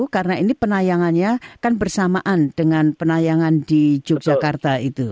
karena ini penayangannya kan bersamaan dengan penayangan di yogyakarta